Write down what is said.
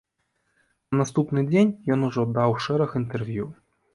На наступны дзень ён ужо даў шэраг інтэрв'ю.